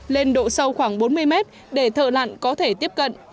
lên độ sâu khoảng bốn mươi mét để thợ lặn có thể tiếp cận